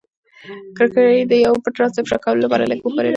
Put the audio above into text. کړکۍ د یو پټ راز د افشا کولو لپاره لږه وښورېده.